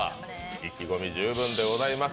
意気込み十分でございます。